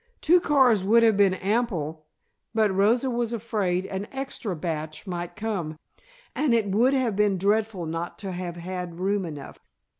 Two cars would have been ample, but Rosa was afraid "an extra batch" might come, and it would have been dreadful not to have had room enough.